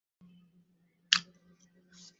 তিনি পূর্ব জার্মানির রাষ্ট্রপ্রধানও ছিলেন।